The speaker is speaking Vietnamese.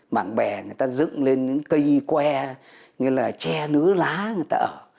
mảng bè người ta dựng lên cây que như là tre nứa lá người ta ở